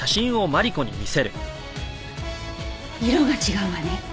色が違うわね。